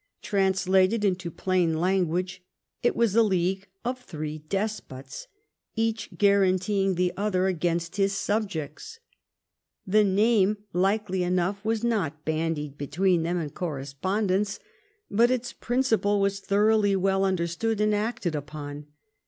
Trans lated into ])lain language, it was a league of three despots, each guaranteeing the other against his subjects. The name, likely enough, was not bandied between them in correspondence, but its principle was thoroughly well understood and acted upon.